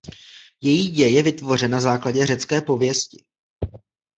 Její děj je vytvořen na základě řecké pověsti.